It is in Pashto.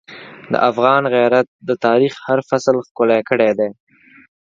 د افغان غیرت د تاریخ هر فصل ښکلی کړی دی.